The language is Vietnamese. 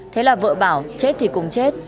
thế là vợ bảo chết thì cùng chết